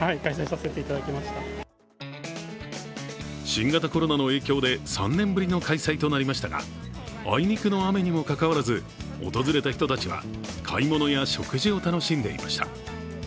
新型コロナの影響で３年ぶりの開催となりましたが、あいにくの雨にもかかわらず訪れた人たちは買い物や食事を楽しんでいました。